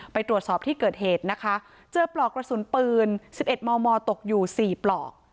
ไปตรวจสอบที่เกิดเหตุนะคะเจอปลอกกระสุนปืน๑๑มมตกอยู่๔ปลอก